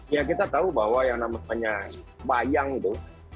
ya kita tahu bahwa yang namanya bayang itu